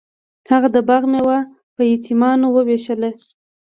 هغه د باغ میوه په یتیمانو ویشله.